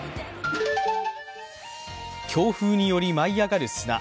強風により舞い上がる砂。